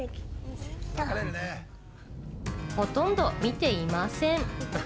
ほとんど見ていません。